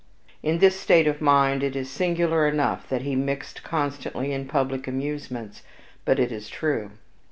In this state of mind, it is singular enough that he mixed constantly in public amusements, but it is true.